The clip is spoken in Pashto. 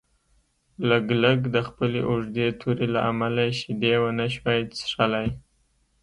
لګلګ د خپلې اوږدې تورې له امله شیدې ونشوای څښلی.